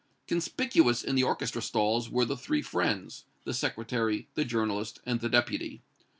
Conspicuous in the orchestra stalls were the three friends the Secretary, the journalist and the Deputy.